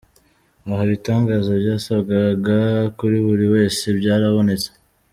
Aha ibitangaza byasabwaga kuri buri wese byarabonetse.